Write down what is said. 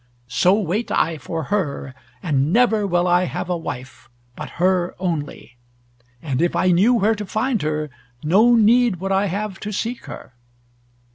So wait I for her, and never will I have a wife, but her only. And if I knew where to find her, no need would I have to seek her."